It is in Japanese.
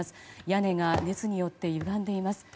屋根が熱によってゆがんでいます。